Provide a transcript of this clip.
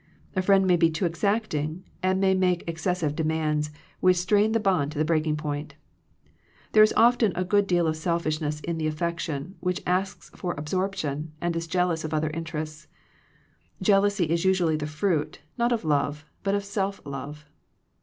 A friend may be too exacting, and may make excessive demands, which strain the bond to the breaking point There is often a good deal of selfishness in the affection, which asks for absorption, and is jealous of other interests. Jealousy is usually the fruit, not of love, but of self love.